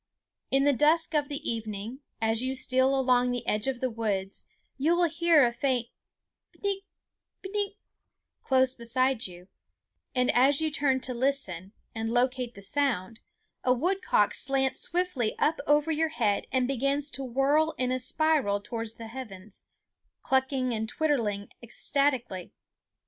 In the dusk of the evening, as you steal along the edge of the woods, you will hear a faint peenk, peenk close beside you, and as you turn to listen and locate the sound a woodcock slants swiftly up over your head and begins to whirl in a spiral towards the heavens, clucking and twittering ecstatically.